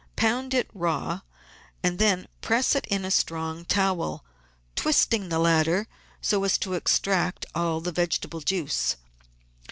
Pound it raw and then press it in a strong towel, twisting the latter so as to extract all the vegetable juice.